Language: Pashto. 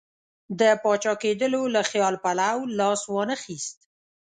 د پاچا کېدلو له خیال پلو لاس وانه خیست.